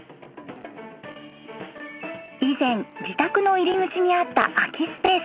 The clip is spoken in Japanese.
以前自宅の入り口にあった空きスペース。